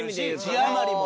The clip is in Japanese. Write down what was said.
字余りも？